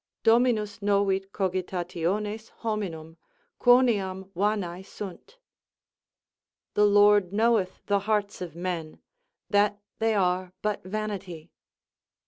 Dominus novit cogitationes hominum, quoniam vanæ sunt: "The Lord knoweth the hearts of men, that they are but vanity."